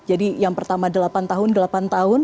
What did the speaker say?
jadi yang pertama delapan tahun delapan tahun